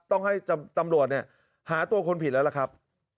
ต้องให้ตำรวจเนี่ยหาตัวคนผิดแล้วล่ะครับ